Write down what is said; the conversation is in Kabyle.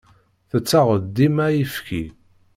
Tettaɣ-d dima ayefki.